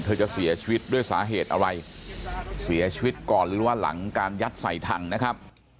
จะเสียชีวิตด้วยสาเหตุอะไรเสียชีวิตก่อนหรือว่าหลังการยัดใส่ถังนะครับ